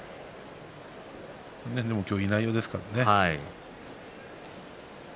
でも今日はいい内容ですからね。